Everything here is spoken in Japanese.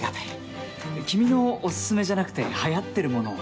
君のおすすめじゃなくて流行ってるものを。